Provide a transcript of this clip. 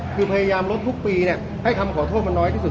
คือพยายามลดทุกปีให้คำขอโทษมันน้อยที่สุด